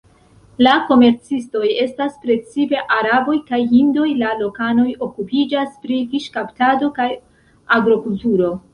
La komercistoj estas precipe araboj kaj hindoj; la lokanoj okupiĝas pri fiŝkaptado kaj agrokulturo.